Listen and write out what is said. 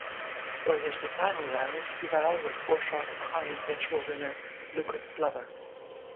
Going into the final round, Duval was four shots behind eventual winner Lucas Glover.